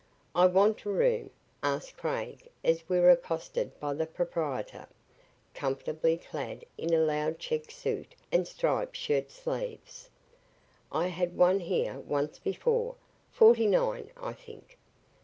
"I want a room," asked Craig as we were accosted by the proprietor, comfortably clad in a loud checked suit and striped shirt sleeves. "I had one here once before forty nine, I think."